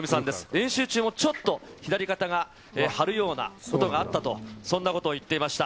練習中もちょっと左肩が張るようなことがあったと、そんなことを言っていました。